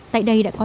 tại đây đã có